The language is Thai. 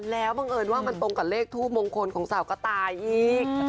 แล้วบังเอิญว่ามันตรงกับเลขทูปมงคลของสาวกระต่ายอีก